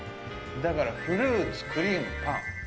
だからフルーツ、クリーム、パン。